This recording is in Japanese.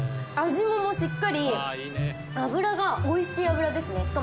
味ももうしっかり脂がおいしい脂ですね。